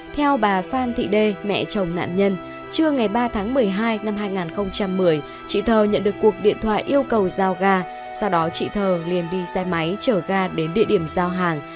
theo bà phan thị đê mẹ chồng nạn nhân trưa ngày ba tháng một mươi hai năm hai nghìn một mươi chị thơ nhận được cuộc điện thoại yêu cầu giao ga sau đó chị thơ liền đi xe máy chở ga đến địa điểm giao hàng